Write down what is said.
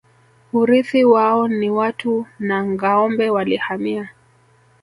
Urithi wao ni watu na ngâombe Walihamia